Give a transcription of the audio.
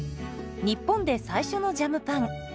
日本で最初のジャムパン。